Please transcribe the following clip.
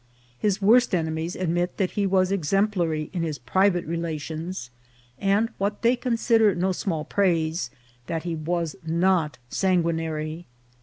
His worst enemies admit that he was exemplary in his private relations, and, what they consider no small praise, that he was not sanguinary.